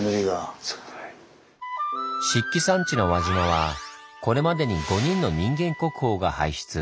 漆器産地の輪島はこれまでに５人の人間国宝が輩出。